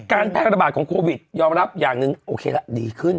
การแพร่ระบาดของโควิดยอมรับอย่างหนึ่งโอเคละดีขึ้น